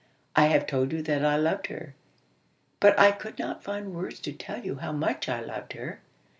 I have told you that I loved her; but I could not find words to tell you how much I loved her.